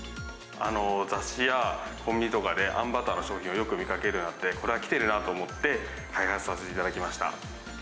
雑誌やコンビニとかで、あんバターの商品をよく見かけるようになって、これはきてるなと思って、開発させていただきました。